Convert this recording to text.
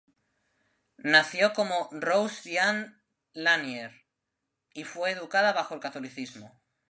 Nació como Rose Diane Lanier y fue educada bajo el catolicismo.